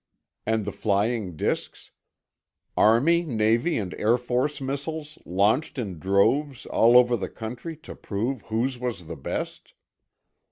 And the flying disks? Army, Navy, and Air Force missiles, launched in droves all over the country to prove whose was the best?